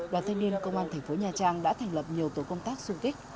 đoàn thanh niên công an thành phố nha trang đã thành lập nhiều tổ công tác xung kích